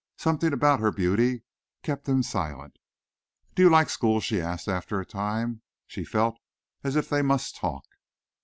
Something about her beauty kept him silent. "Do you like school?" she asked after a time. She felt as if they must talk.